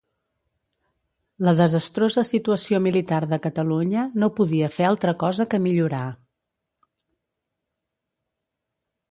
La desastrosa situació militar de Catalunya no podia fer altra cosa que millorar.